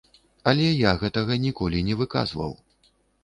Але я гэтага ніколі не выказваў.